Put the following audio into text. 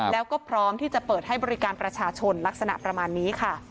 แล้วก็พร้อมที่จะเปิดให้บริการประชาชนลักษณะประมาณนี้ค่ะ